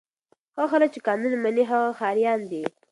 هغه خلک چې قانون مني ښه ښاریان دي.